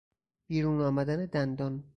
بیرون آمدن دندان